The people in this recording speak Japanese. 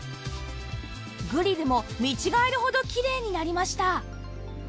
グリルも見違えるほどきれいになりました